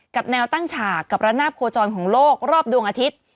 แนวตั้งฉากกับระนาบโคจรของโลกรอบดวงอาทิตย์